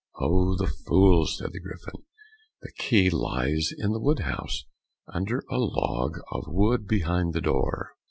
"Oh! the fools!" said the Griffin; "the key lies in the wood house under a log of wood behind the door."